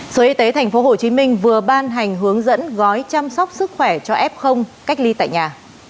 sở y tế tp hcm vừa ban hành hướng dẫn gói chăm sóc sức khỏe cho f cách ly tại nhà